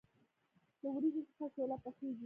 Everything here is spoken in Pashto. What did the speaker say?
له وریجو څخه شوله پخیږي.